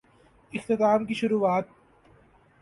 اختتام کی شروعات؟